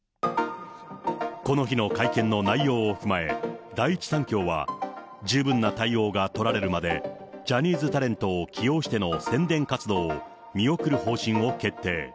この日の会見の内容を踏まえ、第一三共は、十分な対応が取られるまで、ジャニーズタレントを起用しての宣伝活動を見送る方針を決定。